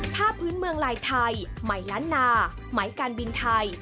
ผ้าพื้นเมืองลายไทยไหมล้านนาไหมการบินไทย